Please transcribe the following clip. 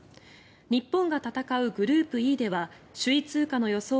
日本が戦うグループＥでは首位通過の予想